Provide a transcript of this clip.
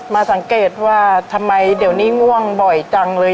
มาสังเกตว่าทำไมเดี๋ยวนี้ง่วงบ่อยจังเลย